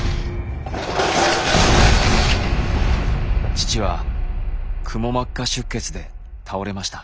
父はくも膜下出血で倒れました。